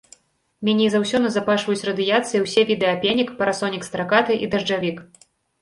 Меней за ўсё назапашваюць радыяцыі ўсе віды апенек, парасонік стракаты і дажджавік.